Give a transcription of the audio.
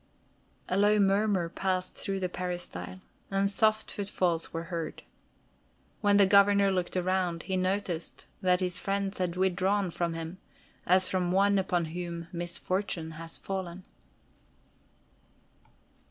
A low murmur passed through the peristyle, and soft footfalls were heard. When the Governor looked around, he noticed that his friends had withdrawn from him, as from one upon whom misfortune has fallen.